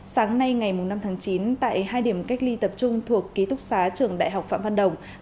sáng nay ngày năm tháng chín tại hai điểm cách ly tập trung thuộc ký túc xá trường đại học phạm văn đồng